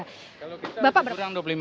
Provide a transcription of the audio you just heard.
kalau kita kurang dua puluh lima juta sehari